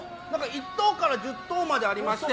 １等から１０等までありまして